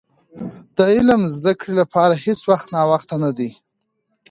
د علم زدي کړي لپاره هيڅ وخت ناوخته نه دي .